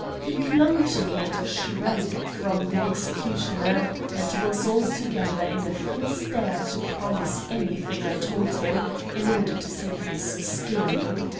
He clung to me and shrank from the 'executioner,' and was altogether in a fit state to promise anything I told him in order to save his skin.